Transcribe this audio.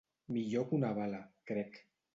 Millor que una bala, crec.